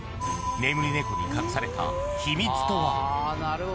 眠り猫に隠された秘密とは？